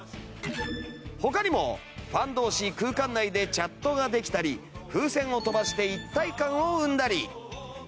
他にもファン同士空間内でチャットができたり風船を飛ばして一体感を生んだり。